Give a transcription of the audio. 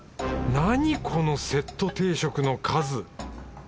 なにこのセット定食の数！